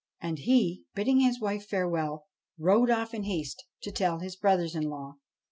And he, bidding his wife farewell, rode off in haste to tell his brothers in law.